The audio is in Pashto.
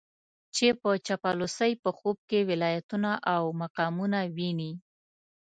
چې په چاپلوسۍ په خوب کې ولايتونه او مقامونه ويني.